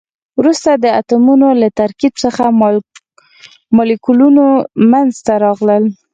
وروسته د اتمونو له ترکیب څخه مالیکولونه منځ ته راغلل.